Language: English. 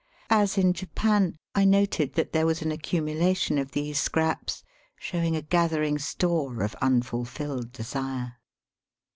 As in Japan, I noted that there was an accumulation of these scraps, showing a gathering store of unfulfilled desire.